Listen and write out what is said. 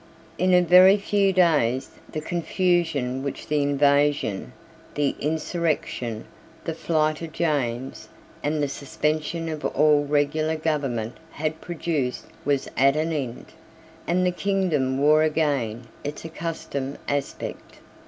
In a very few days the confusion which the invasion, the insurrection, the flight of James, and the suspension of all regular government had produced was at an end, and the kingdom wore again its accustomed aspect.